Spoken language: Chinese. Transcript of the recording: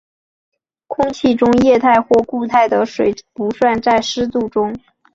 空气中液态或固态的水不算在湿度中。